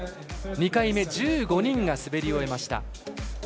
２回目１５人が滑り終えました。